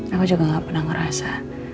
aku juga gak pernah ngerasa